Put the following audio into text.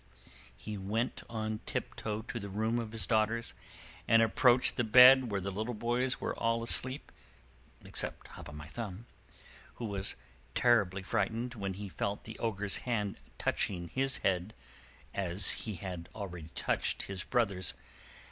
He went on tiptoe to the room of his daughters, and approached the bed where the little boys were all asleep, except Hop o' My Thumb, who was terribly frightened when he felt the Ogre's hand touching his head, as he had already touched his brothers'.